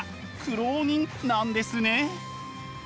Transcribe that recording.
苦労人なんですね。